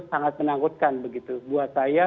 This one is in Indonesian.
sangat menakutkan begitu buat saya